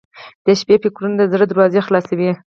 • د شپې فکرونه د زړه دروازې خلاصوي.